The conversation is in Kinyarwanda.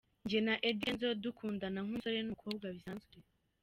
Njye na Eddy Kenzo dukundana nk’umusore n’umukobwa bisanzwe.